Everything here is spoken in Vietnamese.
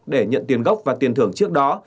để nhận tiền gốc và tiền thưởng trước đó